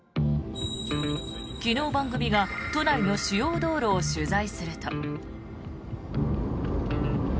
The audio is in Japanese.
昨日、番組が都内の主要道路を取材すると。